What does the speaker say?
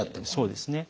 そうですね。